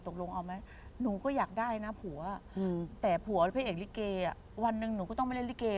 ตกลงเอาไหมหนูก็อยากได้นะผัวแต่ผัวพระเอกลิเกวันหนึ่งหนูก็ต้องไปเล่นลิเก